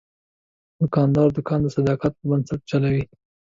دوکاندار دوکان د صداقت په بنسټ چلوي.